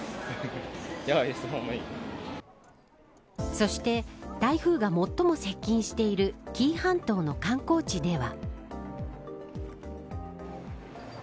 そして台風が最も接近している紀伊半島の観光地では。